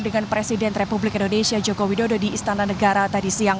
dengan presiden republik indonesia joko widodo di istana negara tadi siang